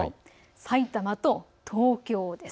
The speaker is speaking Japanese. さいたまと東京です。